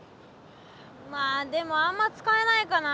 まあでもあんま使えないかな。